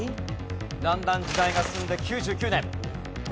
だんだん時代が進んで。